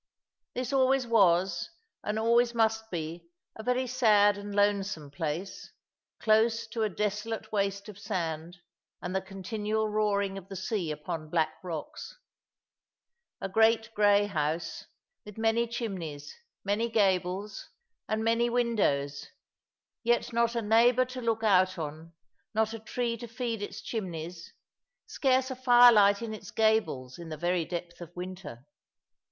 This always was, and always must be, a very sad and lonesome place, close to a desolate waste of sand, and the continual roaring of the sea upon black rocks. A great grey house, with many chimneys, many gables, and many windows, yet not a neighbour to look out on, not a tree to feed its chimneys, scarce a firelight in its gables in the very depth of winter.